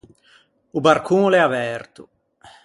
O barcon o l’é averto.